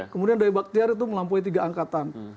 kemudian day baktiar itu melampaui tiga angkatan